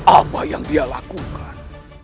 apa yang dia lakukan